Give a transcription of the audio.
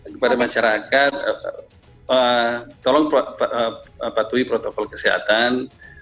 kepada masyarakat tolong patuhi protokol kesehatan